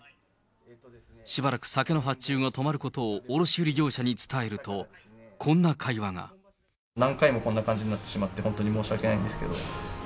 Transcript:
しばらく酒の発注が止まることを卸売業者に伝えると、こんな何回もこんな感じになってしまって、本当に申し訳ないんですけど。